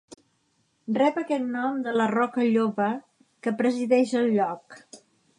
Rep aquest nom de la Roca Lloba, que presideix el lloc.